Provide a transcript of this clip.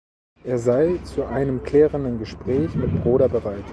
Er sei zu einem klärenden Gespräch mit Broder bereit.